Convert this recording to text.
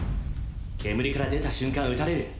煙から出た瞬間撃たれる。